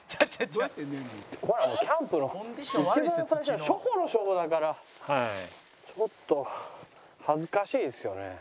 これはキャンプの一番最初初歩の初歩だからちょっと恥ずかしいですよね。